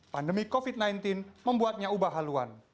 pandemi covid sembilan belas membuatnya ubah haluan